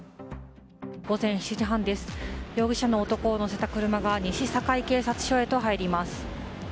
午前７時半です、容疑者の男を乗せた車が西堺警察署へと入ります。